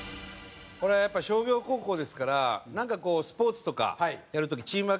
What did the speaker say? これはやっぱ商業高校ですからなんかこうスポーツとかやる時チーム分けするじゃないですか。